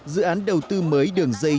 dự án đầu tư mới đường dây